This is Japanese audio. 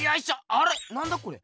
あれなんだこれ？